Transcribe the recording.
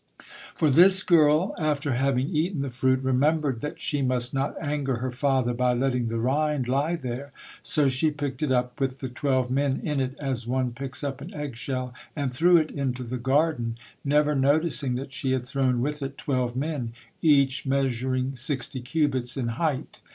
For this girl, after having eaten the fruit, remembered that she must not anger her father by letting the rind lie there, so she picked it up with the twelve men in it as one picks up an egg shell, and threw it into the garden, never noticing that she had thrown with it twelve men, each measuring sixty cubits in height.